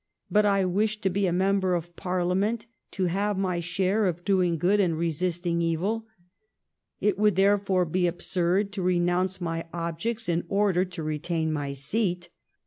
But I wish to be a member of Parliament to have my share of doing good and resisting evil. It would, therefore, be absurd to renounce my objects in 304 THE STORY OF GLADSTONES LIFE order to retain my seat.